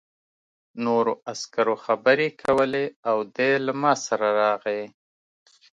نورو عسکرو خبرې کولې او دی له ما سره راغی